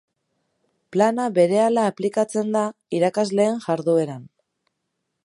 Plana berehala aplikatzen da irakasleen jardueran.